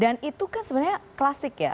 dan itu kan sebenarnya klasik ya